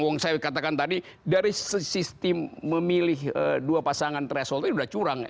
yang saya katakan tadi dari sistem memilih dua pasangan threshold ini sudah curang